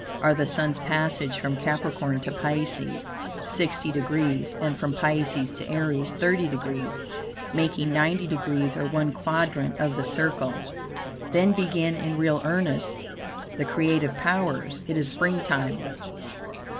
are the Sun's passage from Capricorn to Pisces, 60 degrees, and from Pisces to Aries, 30 degrees, making 90 degrees, or one quadrant of the circle. Then begin in real earnest the creative powers, it is spring time.